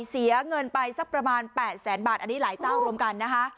เสียเงินไปสักประมาณ๘แสนบาทอันนี้หลายเจ้ารวมกันนะคะ